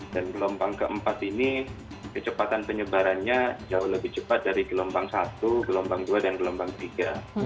dan gelombang keempat ini kecepatan penyebarannya jauh lebih cepat dari gelombang satu gelombang dua dan gelombang tiga